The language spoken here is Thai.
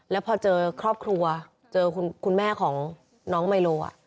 แล้วพอเจอครอบครัวเจอคุณแม่ของน้องไมโล